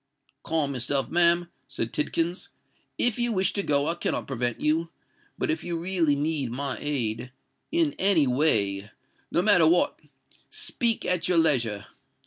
"Calm yourself, ma'am," said Tidkins. "If you wish to go, I cannot prevent you; but if you really need my aid—in any way—no matter what—speak at your leisure.